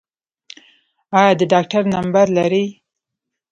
ایا د ډاکټر نمبر لرئ؟